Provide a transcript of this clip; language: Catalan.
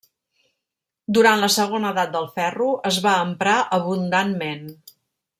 Durant la segona Edat del Ferro es va emprar abundantment.